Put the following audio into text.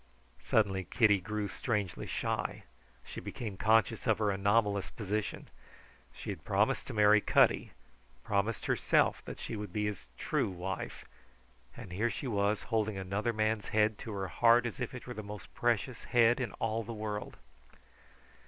Suddenly Kitty grew strangely shy. She became conscious of her anomalous position. She had promised to marry Cutty, promised herself that she would be his true wife and here she was, holding another man's head to her heart as if it were the most precious head in all the world.